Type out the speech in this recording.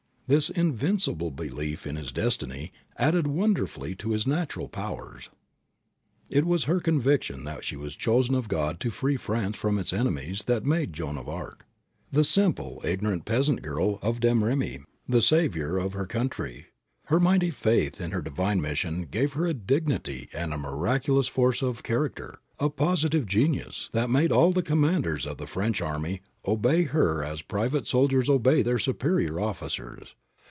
This invincible belief in his destiny added wonderfully to his natural powers. It was her conviction that she was chosen of God to free France from its enemies that made Joan of Arc, the simple, ignorant peasant girl of Domrèmy, the saviour of her country. Her mighty faith in her divine mission gave her a dignity and a miraculous force of character, a positive genius, that made all the commanders of the French army obey her as private soldiers obey their superior officers.